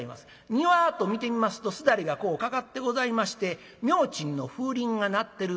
庭はと見てみますとすだれがこうかかってございまして明珍の風鈴が鳴ってる。